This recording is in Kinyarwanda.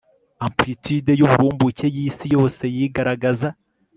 amplitude yuburumbuke yisi yose yigaragaza